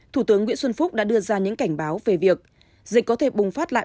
thủ tướng nguyễn xuân phúc đã đưa ra những cảnh báo về việc dịch có thể bùng phát lại